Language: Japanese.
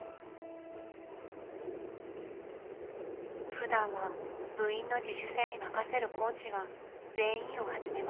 ふだんは部員の自主性に任せるコーチが全員を集めました。